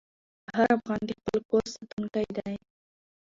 هر افغان د خپل کور ساتونکی دی.